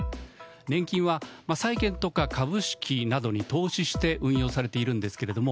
年金は、債権とか株式に投資して運用されているんですけれども